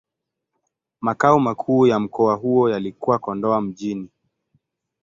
Makao makuu ya mkoa huo yalikuwa Kondoa Mjini.